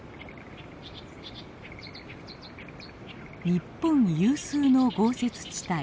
日本有数の豪雪地帯。